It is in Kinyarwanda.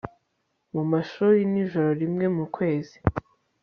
mu mashuri nijoro rimwe mu kwezi